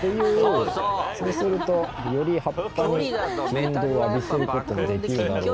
そうするとより葉っぱにヘビメタを浴びせる事ができるだろう